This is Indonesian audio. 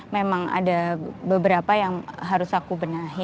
memang ada beberapa yang harus aku benahi